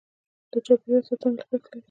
د چاپیریال ساتنه لګښت لري.